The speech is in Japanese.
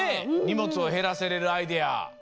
にもつをへらせれるアイデア。